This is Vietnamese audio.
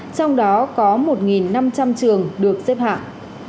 trong đó có một năm trăm linh trường được xếp hạng